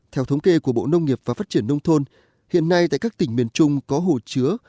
theo thống kê của bộ nông nghiệp và phát triển nông thôn hiện nay tại các tỉnh miền trung có hồ chứa